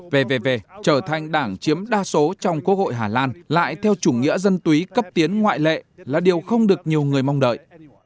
về về trở thành đảng chiếm đa số trong quốc hội hà lan lại theo chủ nghĩa dân túy cấp tiến ngoại lệ là điều không được nhiều người mong đợi